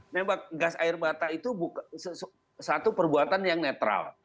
nembak gas air mata itu satu perbuatan yang netral